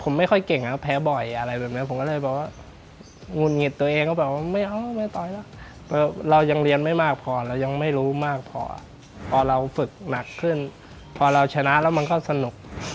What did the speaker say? ไม่รู้มากพอพอเราฝึกหนักขึ้นพอเราชนะแล้วมันก็สนุก